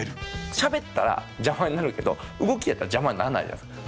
しゃべったら邪魔になるけど動きやったら邪魔にならないじゃないですか。